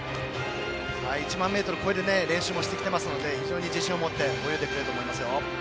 １００００ｍを超える練習もしていますので非常に自信を持って泳いでくれると思いますよ。